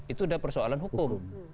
itu sudah persoalan hukum